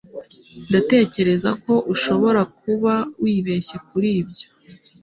ndatekereza ko ushobora kuba wibeshye kuri ibyo